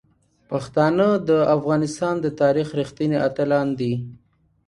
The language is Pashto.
پښتانه د افغانستان د تاریخ رښتیني اتلان دي.